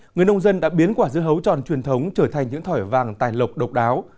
người nông dân đã biến quả dưa hấu tròn truyền thống trở thành những thỏi vàng tài lộc độc đáo